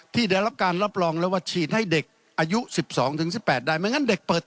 ที่รับการรับรองแล้วว่าฉีดให้เด็ก